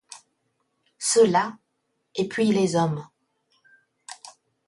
Cela, et puis les hommes.